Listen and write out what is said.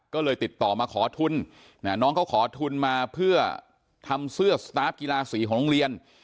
ก็เลยติดต่อมาขอทุนน้องเขาขอทุนมาเพื่อทำเสื้อสตาร์ฟกีฬาสีของโรงเรียน